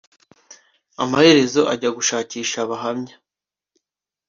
amaherezo ajya gushakisha abahamya